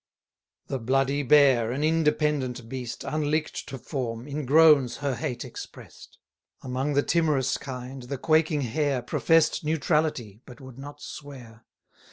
The bloody Bear, an independent beast, Unlick'd to form, in groans her hate express'd. Among the timorous kind the quaking Hare Profess'd neutrality, but would not swear.